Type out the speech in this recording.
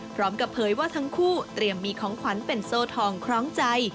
พร้อมกับเผยว่าทั้งคู่เตรียมมีของขวัญเป็นโซ่ทองคล้องใจ